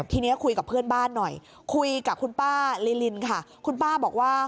ทีนี้คุยกับเพื่อนบ้านหน่อยคุยกับคุณป้าลิลินค่ะคุณป้าบอกว่า